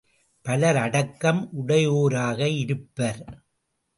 பலர் அடக்கம் உடையோராக இருப்பர்.